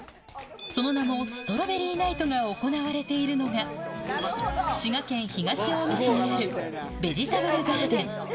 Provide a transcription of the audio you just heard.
その名も、ストロベリーナイトが行われているのが、滋賀県東近江市にあるベジタブルガーデン。